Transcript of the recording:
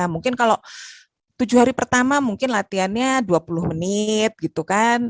mungkin kalau tujuh hari pertama mungkin latihannya dua puluh menit gitu kan